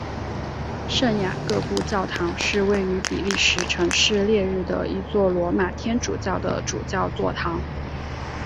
圣雅各布教堂是位于比利时城市列日的一座罗马天主教的主教座堂。